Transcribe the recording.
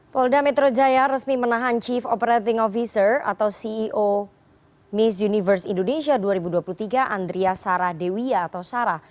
polda metro jaya resmi menahan chief operating officer atau ceo miss universe indonesia dua ribu dua puluh tiga andria sarah dewia atau sarah